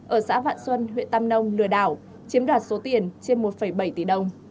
ở xã vạn xuân huyện tam nông lừa đảo chiếm đoạt số tiền trên một bảy tỷ đồng